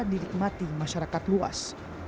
dinikmati masyarakat luas